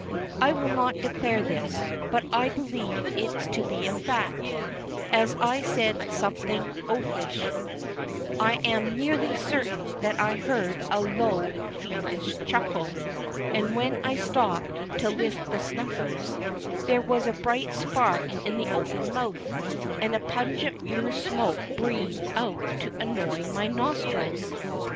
I will not declare this, but I believe it to be a fact: as I said something oathish, I am nearly certain that I heard a low, fiendish chuckle; and when I stooped to lift the snuffers, there was a bright spark in the open mouth, and a pungent blue smoke breathed out to annoy my nostrils!